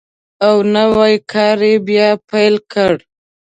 او نوی کار یې بیا پیل کړ.